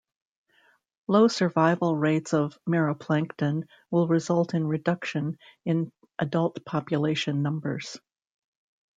Low survival rates of meroplankton will result in reduction in adult population numbers.